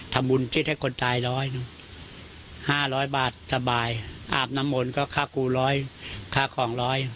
ทำวุลที่จะให้คนตาย๑๐๐๕๐๐บาทสบายอาบน้ำมนต์ก็ค่ากลู๑๐๐ค่าของ๑๐๐